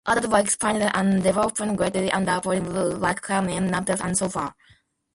Others were expanded and developed greatly under Portuguese rule, like Quelimane, Nampula and Sofala.